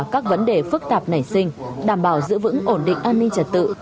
các vấn đề phức tạp nảy sinh đảm bảo giữ vững ổn định an ninh trật tự